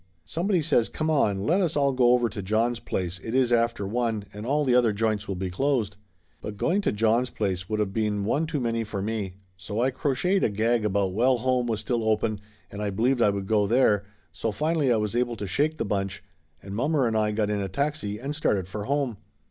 Somebody says come on let us all go over to John's place it is after one and all the other joints will be closed. But going to John's place would of been one too many for me, so I crocheted a gag about well home was still open and I believed I would go there, so finally I was able to shake the bunch, and mommer and I got in a taxi and started for home.